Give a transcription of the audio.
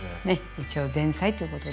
一応前菜っていうことで。